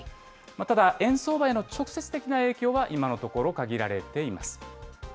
ただ、円相場への直接的な影響は、今のところ限られています。